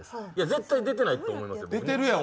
絶対出てないと思いますよ。